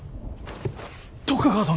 徳川殿！